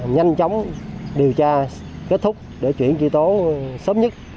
nhanh chóng điều tra kết thúc để chuyển truy tố sớm nhất